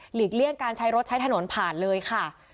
เลี่ยงการใช้รถใช้ถนนผ่านเลยค่ะ